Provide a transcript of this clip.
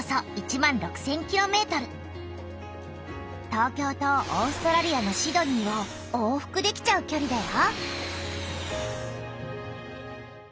東京とオーストラリアのシドニーを往復できちゃうきょりだよ。